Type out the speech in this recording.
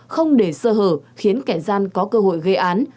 không để sơ hở khiến kẻ gian có cơ hội gây án